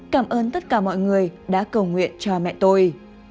cảm ơn tất cả mọi người đã cầu nguyện cho mẹ tôi